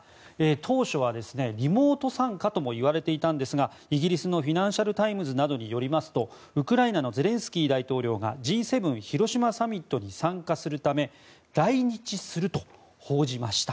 当初はリモート参加ともいわれていたんですがイギリスのフィナンシャル・タイムズなどによりますとウクライナのゼレンスキー大統領がＧ７広島サミットに参加するため来日すると報じました。